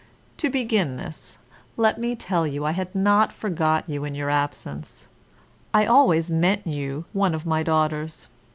To begin this, let me tell you I had not forgot you in your absence. I always meant you one of my daughters.